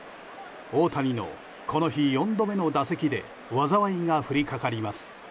大谷のこの日、４度目の打席で災いが降りかかります。